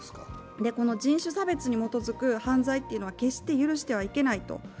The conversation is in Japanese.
人種差別に基づく犯罪というのは決して許してはいけないと。